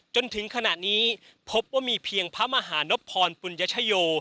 จนถึงขณะนี้พบว่ามีเพียงพระมหานพรปุญญชโย